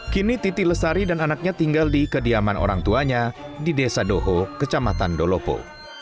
kini titi lesari dan anaknya tinggal di kediaman orang tuanya di desa doho kecamatan dolopo